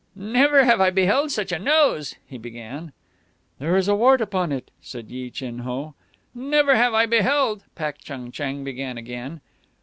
"Never have I beheld such a nose," he began. "There is a wart upon it," said Yi Chin Ho. "Never have I beheld " Pak Chung Chang began again.